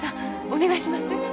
お願いします。